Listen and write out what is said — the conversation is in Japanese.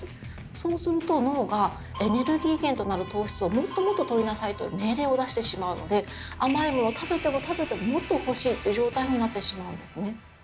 そうすると脳が「エネルギー源となる糖質をもっともっととりなさい」と命令を出してしまうので甘いものを食べても食べてももっと欲しいという状態になってしまうんですね。